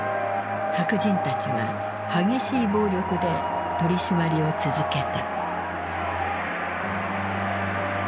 白人たちは激しい暴力で取り締まりを続けた。